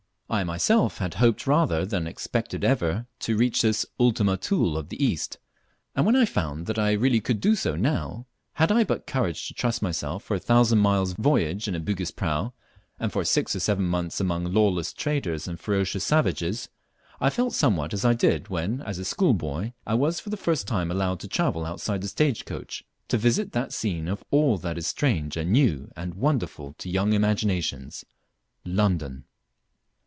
I myself had hoped rather than expected ever to reach this "Ultima Thule" of the East: and when I found that I really could do so now, had I but courage to trust myself for a thousand miles' voyage in a Bugis prau, and for six or seven months among lawless traders and ferocious savages, I felt somewhat as I did when, a schoolboy, I was for the first time allowed to travel outside the stage coach, to visit that scene of all that is strange and new and wonderful to young imaginations London!